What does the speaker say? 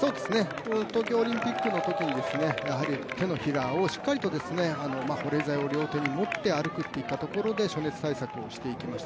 東京オリンピックのときに手のひらをしっかりと、保冷剤を両手に持って歩くといったところで暑熱対策をしていきました。